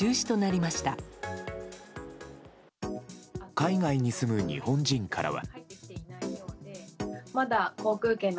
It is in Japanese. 海外に住む日本人からは。